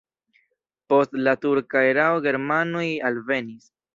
Post la turka erao germanoj alvenis.